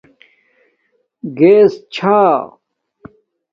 گیس چھا